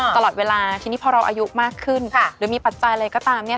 ตลอดเวลาทีนี้พอเราอายุมากขึ้นหรือมีปัจจัยอะไรก็ตามเนี่ย